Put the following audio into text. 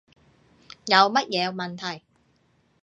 有乜嘢問題